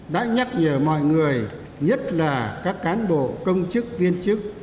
đã nhắc nhở mọi người nhất là các cán bộ công chức viên chức